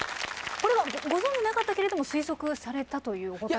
これはご存じなかったけれども推測されたというお答えですか？